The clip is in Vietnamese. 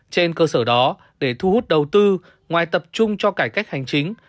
trên cơ sở đó để thu hút đầu tư ngoài tập trung cho cải cách hành chính